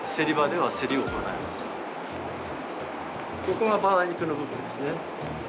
ここがバラ肉の部分ですね。